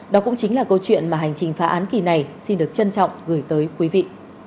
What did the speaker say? đó cũng chính là câu chuyện mà hành trình phá án kỳ này xin được trân trọng gửi tới quý vị